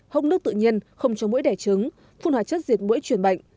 hông nước tự nhiên không cho mũi đẻ trứng phun hóa chất diệt mũi truyền bệnh